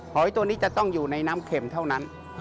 หอยตัวนี้จะต้องอยู่ในน้ำเข็มเท่านั้น